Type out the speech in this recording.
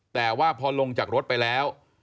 แต่ว่าพอลงจากรถไปแล้ว